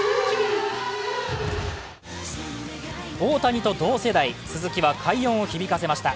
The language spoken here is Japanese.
大谷と同世代鈴木は快音を響かせました。